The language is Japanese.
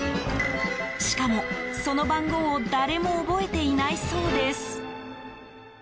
しかも、その番号を誰も覚えていないそうです。